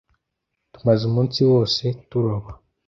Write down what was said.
Tumaze umunsi wose turoba.